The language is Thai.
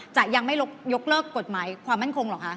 จะยังไม่ยกเลิกกฎหมายความมั่นคงเหรอคะ